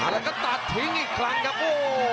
แล้วก็ตัดทิ้งอีกครั้งครับโอ้โห